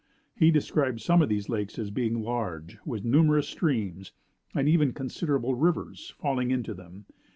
He described some of these lakes as being large, with numerous streams, and even considerable rivers, falling into them.